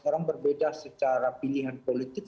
orang berbeda secara pilihan politik